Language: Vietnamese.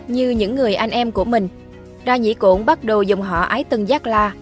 như những người anh em của mình đa nhĩ cổn bắt đầu dùng họ ái tân giác la